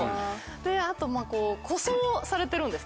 あと個装されてるんですね。